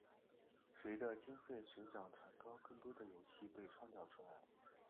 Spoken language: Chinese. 随着经费水涨船高更多的游戏被创造出来。